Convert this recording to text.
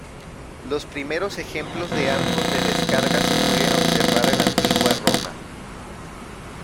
Los primeros ejemplos de arcos de descarga se pueden observar en la antigua Roma.